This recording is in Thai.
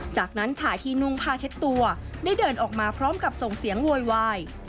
จากนั้นชายที่นุ่งผ้าเช็ดตัวได้เดินออกมาพร้อมกับส่งเสียงโวยวาย